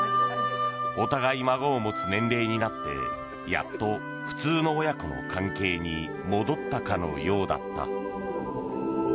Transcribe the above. お互い孫を持つ年齢になってやっと普通の親子の関係に戻ったかのようだった。